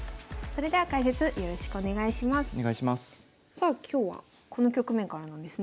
さあ今日はこの局面からなんですね。